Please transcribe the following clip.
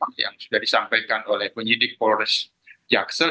sementara ini memang yang sudah disampaikan oleh penyidik polres jaksel